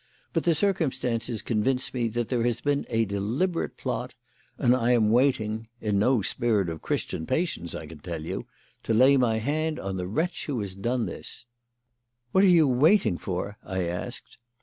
But the circumstances convince me that there has been a deliberate plot; and I am waiting in no spirit of Christian patience, I can tell you to lay my hand on the wretch who has done this." "What are you waiting for?" I asked.